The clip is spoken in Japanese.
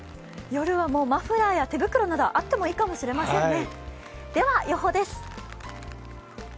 夜はマフラーや手袋などあってもいいかもしれませんね。